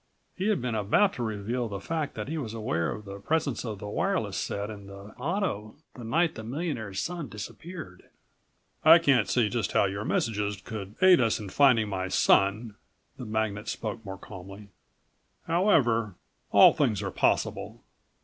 He had been about to reveal the fact that he was aware of the presence of the wireless set in the auto the night the millionaire's son disappeared. "I can't see just how your messages could aid us in finding my son." The magnate spoke more calmly. "However, all things are possible.